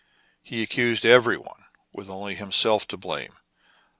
He ac cused every one, with only himself to blame.